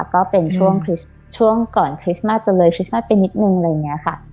ก็เป็นช่วงก่อนคริสต์มัสจนเลยคริสต์มัสไปนิดนึงอะไรอย่างนี้ค่ะ